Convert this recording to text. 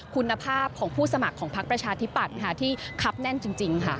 คุณภาพของผู้สมัครของพักประชาธิปัตย์ที่คับแน่นจริงค่ะ